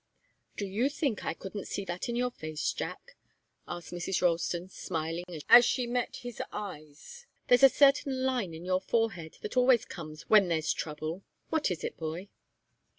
"Do you think I couldn't see that in your face, Jack?" asked Mrs. Ralston, smiling as she met his eyes. "There's a certain line in your forehead that always comes when there's trouble. What is it, boy?"